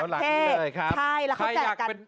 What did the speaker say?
แล้วเขาแจกกัน